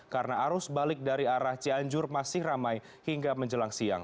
karena arus balik dari arah cianjur masih ramai hingga menjelang siang